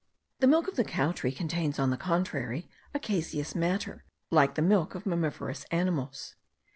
The milk of the cow tree contains, on the contrary, a caseous matter, like the milk of mammiferous animals.